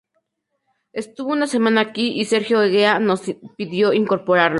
Estuvo una semana aquí y Sergio Egea nos pidió incorporarlo"".